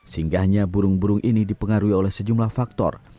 singgahnya burung burung ini dipengaruhi oleh sejumlah faktor